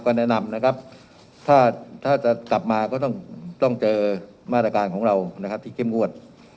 แนะนำนะครับถ้าจะกลับมาก็ต้องเจอมาตรการของเรานะครับที่เข้มงวด